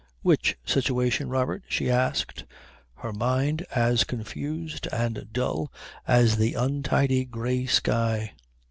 "Which situation, Robert?" she asked, her mind as confused and dull as the untidy grey sky.